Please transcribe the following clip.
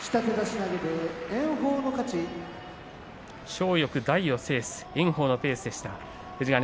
小よく大を制す炎鵬のペースでした。